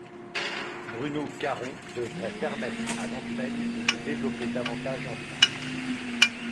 Bruno Caron devrait permettre à l'enseigne de se développer davantage en France.